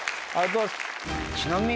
ちなみに。